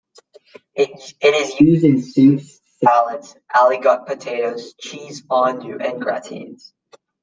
It is used in soups, salads, aligot potatoes cheese fondue and gratins.